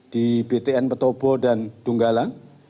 di btn petobo dan dunggala